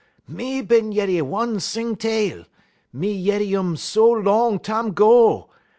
me bin yeddy one sing tale; me yeddy um so long tam 'go.